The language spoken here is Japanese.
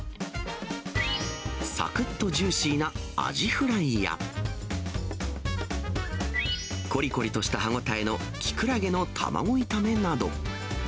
さくっとジューシーなアジフライや、こりこりとした歯応えのきくらげの卵炒めなど。